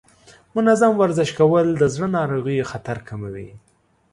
منظم ورزش کول د زړه ناروغیو خطر کموي.